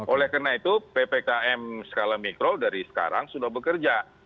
oleh karena itu ppkm skala mikro dari sekarang sudah bekerja